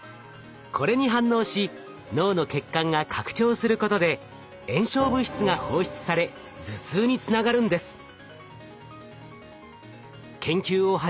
これに反応し脳の血管が拡張することで炎症物質が放出され頭痛につながるんです。